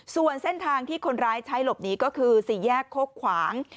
ส่วนเส้นทางที่คนร้ายใช้หลบหนีก็คือสี่แยกโคกขวาง